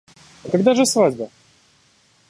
А когда же свадьба?